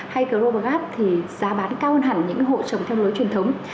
hay global gap thì giá bán cao hơn hẳn những hộ trồng theo lối truyền thống